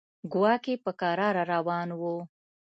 کواګې په کراره روان و.